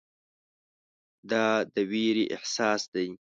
دا د ویرې احساس دی.